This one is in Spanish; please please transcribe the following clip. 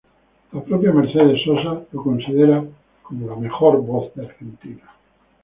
La propia Mercedes Sosa lo consideró como "la mejor voz de Argentina".